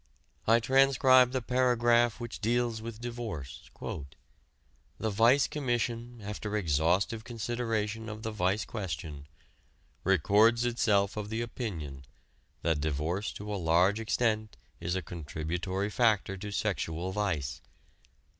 I transcribe the paragraph which deals with divorce: "The Vice Commission, after exhaustive consideration of the vice question, records itself of the opinion that divorce to a large extent is a contributory factor to sexual vice.